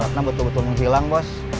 karena betul betul menghilang bos